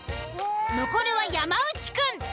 残るは山内くん。